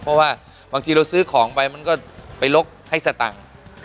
เพราะว่าบางทีเราซื้อของไปมันก็ไปลกให้สตังค์